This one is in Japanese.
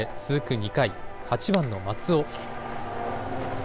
２回、８番の松尾。